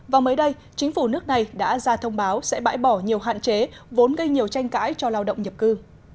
và mới đây chính phủ nước này đã ra thông báo sẽ bãi bỏ nhiều hạn chế vốn gây nhiều tranh cãi cho lao động nhập cư